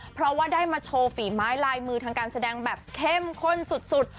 เพราะว่าได้มาโชว์ฝีไม้ลายมือทางการแสดงแบบเข้มข้นสุด